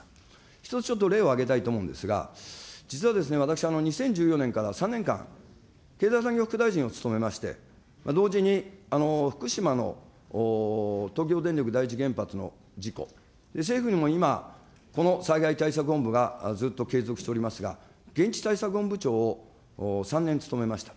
一つちょっと例を挙げたいと思うんですが、実は私、２０１４年から３年間、経済産業副大臣を務めまして、同時に福島の東京電力第一原発の事故、政府にも今、この災害対策本部がずっと継続しておりますが、現地対策本部長を３年務めました。